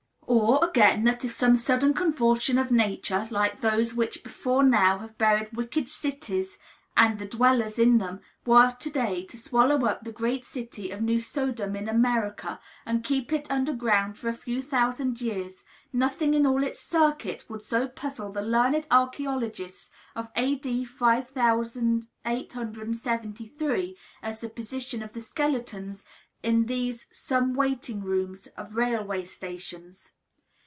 Or, again, that, if some sudden convulsion of Nature, like those which before now have buried wicked cities and the dwellers in them, were to day to swallow up the great city of New Sodom in America, and keep it under ground for a few thousand years, nothing in all its circuit would so puzzle the learned archaeologists of A.D. 5873 as the position of the skeletons in these same waiting rooms of railway stations.